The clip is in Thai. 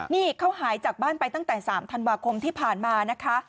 นี่เขาหายจากบ้านไปตั้งแต่๓ธันวาคมที่ผ่านมานะคะ